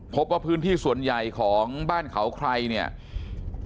พบว่าพื้นที่ส่วนใหญ่ของบ้านเขาไครเนี่ยจะเป็นสวนยางพรา